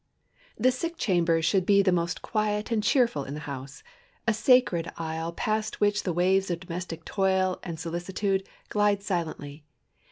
The sick chamber should be the most quiet and cheerful in the house—a sacred isle past which the waves of domestic toil and solicitude glide silently.